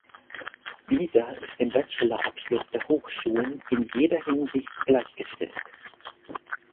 Dieser ist dem Bachelorabschluss der Hochschulen in jeder Hinsicht gleichgestellt.